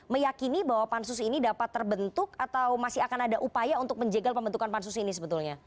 meyakini bahwa pansus ini dapat terbentuk atau masih akan ada upaya untuk menjegal pembentukan pansus ini sebetulnya